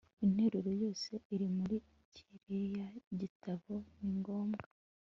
Interuro yose iri muri kiriya gitabo ni ngombwa